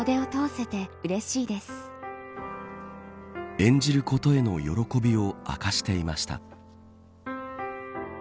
演じることへの喜びを明かしていました。